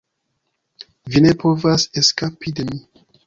Vi ne povas eskapi de mi.